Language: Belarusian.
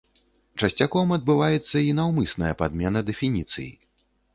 Часцяком адбываецца і наўмысная падмена дэфініцый.